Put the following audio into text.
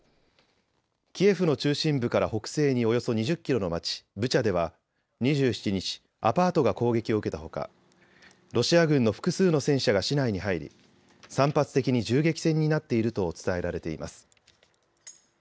キエフの中心部から北西におよそ２０キロの町ブチャでは２７日、アパートが攻撃を受けたほかロシア軍の複数の戦車が市内に入り散発的に銃撃戦になっていると伝えられています。